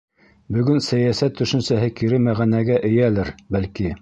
— Бөгөн сәйәсәт төшөнсәһе кире мәғәнәгә эйәлер, бәлки.